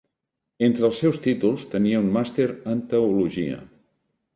Entre els seus títols tenia un Màster en Teologia.